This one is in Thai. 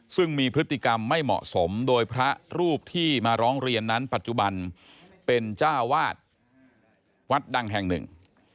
ซึ่งมีพฤติกรรมไม่เหมาะสมโดยพระรูปที่มาร้องเรียนนั้นปัจจุบันเป็นเจ้าวาดวัดดังแห่งหนึ่ง